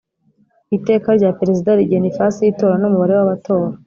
Iteka rya Perezida rigena ifasi y itora n umubare wabatora